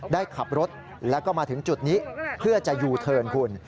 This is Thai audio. ได้ขับรถแล้วก็มาถึงจุดนี้เพื่อจะยูเทิร์นคุณ